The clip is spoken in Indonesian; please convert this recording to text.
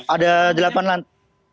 ada delapan lantai